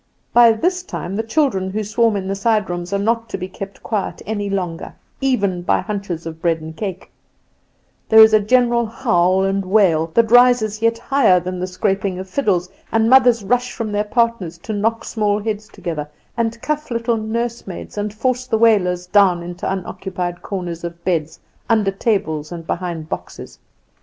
By this time the children who swarm in the side rooms are not to be kept quiet longer, even by hunches of bread and cake; there is a general howl and wail, that rises yet higher than the scraping of fiddles, and mothers rush from their partners to knock small heads together, and cuff little nursemaids, and force the wailers down into unoccupied corners of beds, under tables and behind boxes.